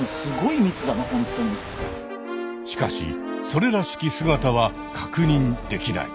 しかしそれらしき姿はかくにんできない。